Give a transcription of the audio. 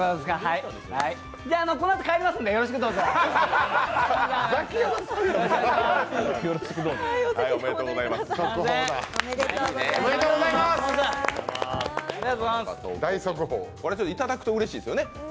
いただくとうれしいですよね。